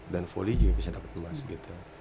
dan volley juga bisa dapat emas gitu